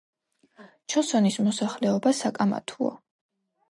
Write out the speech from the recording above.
ჩოსონის მოსახლეობა საკამათოა.